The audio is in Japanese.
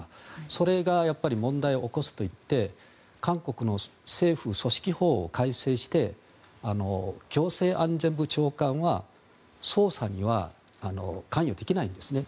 それが問題を起こすといって韓国の政府組織法を改正して行政安全部長官は捜査には関与できないんですね。